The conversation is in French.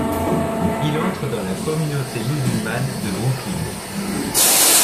Il entre dans la communauté musulmane de Brooklyn.